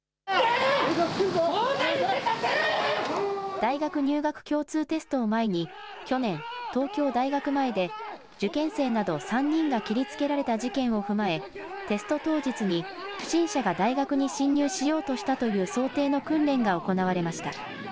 大学入学共通テストを前に去年、東京大学前で受験生など３人が切りつけられた事件を踏まえテスト当日に不審者が大学に侵入しようとしたという想定の訓練が行われました。